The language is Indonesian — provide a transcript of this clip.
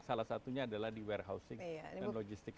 salah satunya adalah di warehousing dan logistik